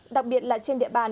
đặc biệt là trên địa bàn